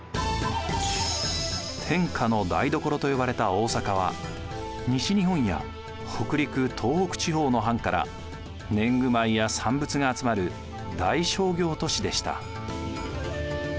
天下の台所と呼ばれた大坂は西日本や北陸東北地方の藩から年貢米や産物が集まる大商業都市でした。